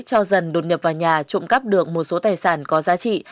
cho dần đột nhập vào nhà trộm cắp được một số tài sản có giá trị